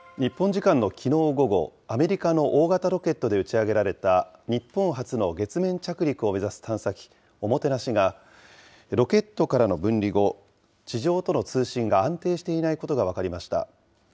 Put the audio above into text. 時間のきのう午後、アメリカの大型ロケットで打ち上げられた日本初の月面着陸を目指す探査機、ＯＭＯＴＥＮＡＳＨＩがロケットからの分離後、地上との通信が安定していないことが分かりました。